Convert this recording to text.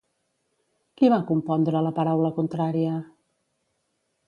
Qui va compondre La paraula contrària?